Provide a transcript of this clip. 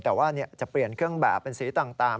แต่ว่าจะเปลี่ยนเครื่องแบบเป็นสีต่าง